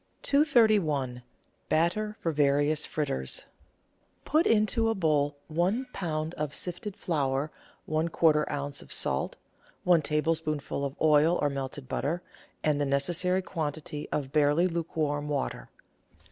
231— BATTER FOR VARIOUS FRITTERS Put into a bowl one lb. of sifted flour, one quarter oz. of salt, one tablespoonful of oil or melted butter, and the necessary quantity of barely lukewarm water.